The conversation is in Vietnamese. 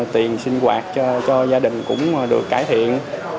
tiền sinh hoạt cho gia đình cũng được cải thiện